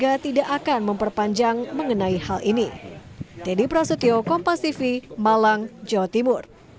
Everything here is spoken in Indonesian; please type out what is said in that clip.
meski merasa kecewa dengan apa yang menimpa wahyu widianto namun pihak keluarga tidak akan memperpanjang mengenai hal ini